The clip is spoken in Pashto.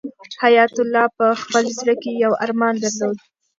حیات الله په خپل زړه کې یو ارمان درلود.